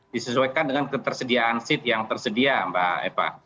disesuaikan dengan ketersediaan seat yang tersedia mbak eva